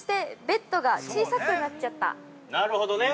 ◆なるほどね。